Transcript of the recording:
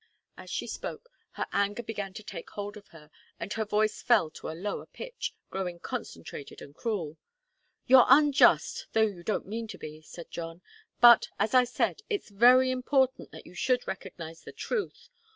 As she spoke, her anger began to take hold of her, and her voice fell to a lower pitch, growing concentrated and cruel. "You're unjust, though you don't mean to be," said John. "But, as I said, it's very important that you should recognize the truth.